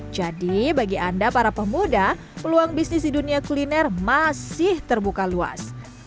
jadi bagi anda para pemuda peluang bisnis di dunia kuliner masih terbuka luas